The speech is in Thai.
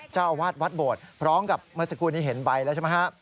เจ้าอาวาสวัดโบสถ์พร้อมกับเมื่อสักครู่นี้เห็นใบแล้วใช่ไหมฮะ